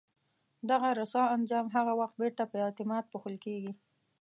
دغه رسوا انجام هغه وخت بیرته په اعتماد پوښل کېږي.